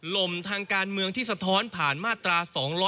ลมทางการเมืองที่สะท้อนผ่านมาตรา๒๗